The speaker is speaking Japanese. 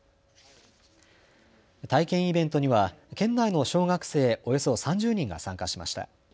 体験イベントには県内の小学生およそ３０人が参加しました。